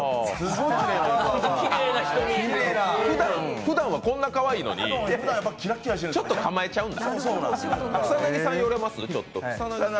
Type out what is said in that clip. ふだんはこんなかわいいのに、ちょっと構えちゃうんだ。